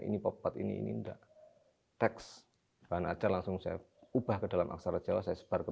ini popat ini tidak tekst bahan ajar langsung saya ubah ke dalam aksara jawa saya sebar ke